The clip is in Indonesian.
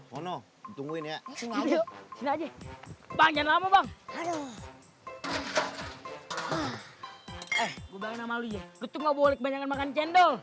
gue tuh gak boleh banyak banyak makan cendol